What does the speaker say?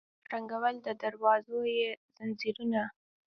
شرنګول د دروازو یې ځنځیرونه